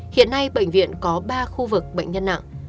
hiện nay bệnh viện có ba khu vực bệnh nhân nặng